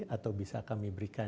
atau bisa kami berikan